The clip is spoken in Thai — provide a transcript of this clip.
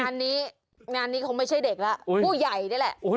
งานนี้งานนี้คงไม่ใช่เด็กแล้วผู้ใหญ่นี่แหละ